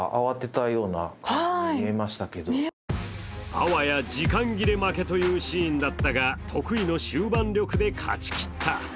あわや時間切れ負けというシーンだったが、得意の終盤力で勝ちきった。